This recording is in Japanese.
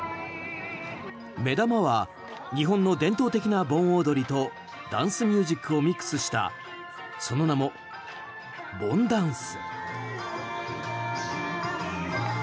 目玉は日本の伝統的な盆踊りとダンスミュージックをミックスしたその名も盆ダンス。